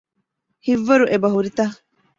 ހިތްވަރު އެބަހުރިތަ؟